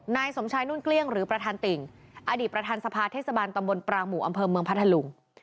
นายสมชายนุ่นเกลี้ยงหรือประธานติ่งอดีตประธานสภาเทศบาลตำบลปรางหมู่อำเภอเมืองพัทธลุง